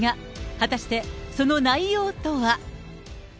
果たしてその内容とは。